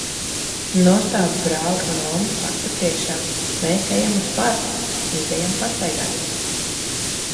Nostādu brāli un omi fakta priekšā: "Mēs ejam uz parku!" Izejam pastaigāties.